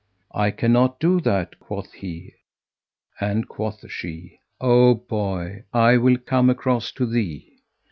"I cannot do that," quoth he, and quoth she, "O boy, I will come across to thee."